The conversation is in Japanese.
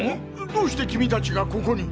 どうして君たちがここに。